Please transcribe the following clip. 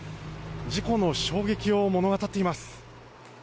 事故の衝撃を物語っています。